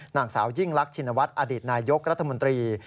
นางสาวยิ่งรักชินวัฒน์อดีตนายกรัฐมนตรี